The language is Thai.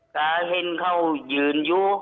เก้าเฤ่มเข้ายืนยู้วค่ะ